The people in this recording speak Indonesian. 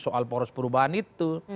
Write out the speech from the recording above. soal poros perubahan itu